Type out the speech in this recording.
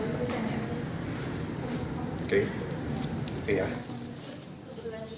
terus keberlanjutannya gimana